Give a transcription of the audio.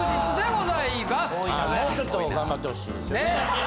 もうちょっと頑張ってほしいですよね。